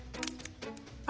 あ！